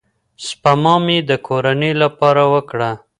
سپما مې د کورنۍ لپاره وکړه.